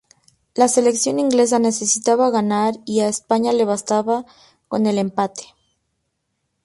La selección inglesa necesitaba ganar y a España le bastaba con el empate.